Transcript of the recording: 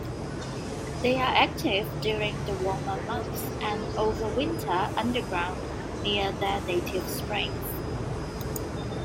They are active during the warmer months and overwinter underground near their native springs.